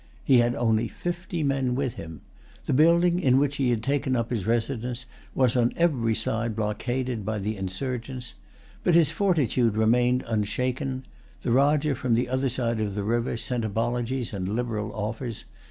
He had only fifty men with him. The building in which he had taken up his residence was on every side blockaded by the insurgents. But his fortitude remained unshaken. The Rajah from the other side of the river sent apologies and liberal offers.